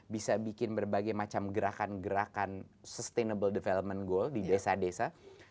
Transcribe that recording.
bisa bikin berbagai macam gerakan gerakan sustainable development goal di desa desa